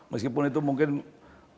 meskipun itu mungkin tidak berhasil